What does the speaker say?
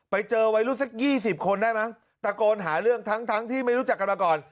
ไปเจอไวรุสสักยี่สิบคนได้มั้งตะโกนหาเรื่องทั้งทั้งที่ไม่รู้จักกันมาก่อน